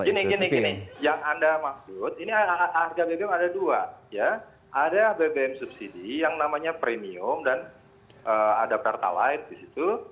gini gini yang anda maksud ini harga bbm ada dua ya ada bbm subsidi yang namanya premium dan ada pertalite di situ